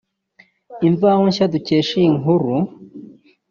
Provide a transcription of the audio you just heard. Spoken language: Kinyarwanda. Imvaho Nsha dukesha iyi nkuru